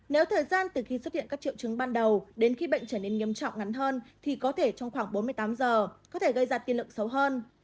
nếu thời gian từ khi xuất hiện các triệu chứng ban đầu đến khi bệnh trở nên nghiêm trọng ngắn hơn thì có thể trong khoảng bốn mươi tám giờ có thể gây ra tiên lượng xấu hơn